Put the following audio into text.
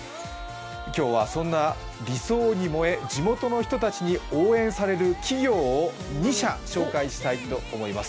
今日はそんな理想に燃え、地元の人たちに応援される企業を２社紹介したいと思います。